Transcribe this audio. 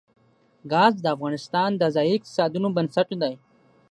ګاز د افغانستان د ځایي اقتصادونو بنسټ دی.